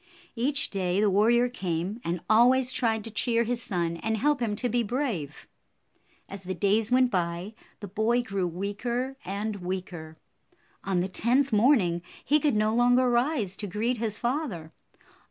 Each day the warrior came, and always tried to cheer his son and help him to be brave. As the days went by, the boy grew weaker and 56 weaker. On the tenth morning, he could no longer rise to greet his father.